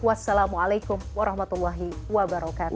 wassalamualaikum warahmatullahi wabarakatuh